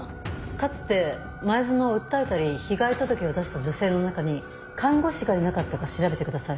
かつて前薗を訴えたり被害届を出した女性の中に看護師がいなかったか調べてください。